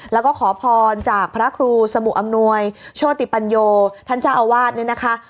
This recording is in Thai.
แล้วก็ขอพรจากพระครูสมุอำนวยโชติปัญโยท่านเจ้าอาวาสเนี่ยนะคะ